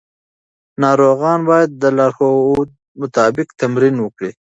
ناروغان باید د لارښود مطابق تمرین وکړي.